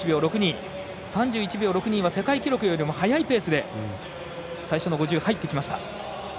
３１秒６２、世界記録より速いペースで最初の５０入ってきました。